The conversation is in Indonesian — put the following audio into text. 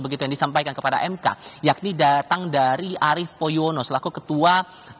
begitu yang disampaikan kepada mk yakni datang dari arief poyono selaku ketua